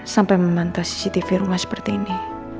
sampai memantau cctv rumah mu seperti ini